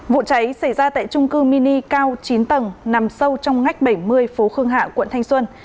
vụ cháy xảy ra tại trung cư mini cao chín tầng nằm sâu trong ngách bảy mươi phố khương hạ quận thanh xuân